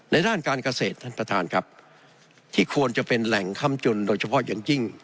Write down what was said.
ด้านการเกษตรท่านประธานครับที่ควรจะเป็นแหล่งค่ำจุนโดยเฉพาะอย่างยิ่ง